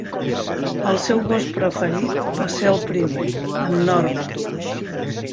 El seu gos preferit va ser el primer, en Norman.